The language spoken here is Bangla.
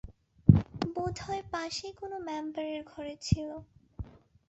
বোধ হয় পাশেই কোন মেম্বারের ঘরে ছিল।